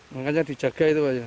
makanya dijaga itu aja